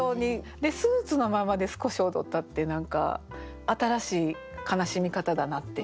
で「スーツのままで少し踊った」って何か新しい悲しみ方だなって。